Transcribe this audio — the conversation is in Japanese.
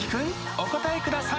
お答えください